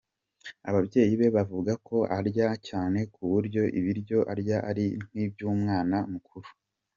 Ababyeyi be bavuga ko anarya cyane kuburyo ibiryo arya ari nk’iby’umwana mukuru.